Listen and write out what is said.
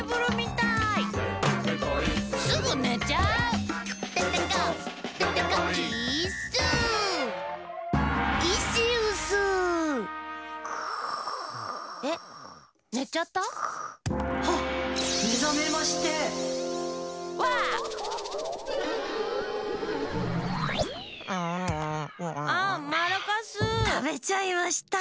たべちゃいました。